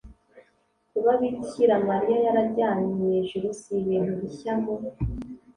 kuba bikira mariya yarajyanywe mu ijuru si ibintu bishya mu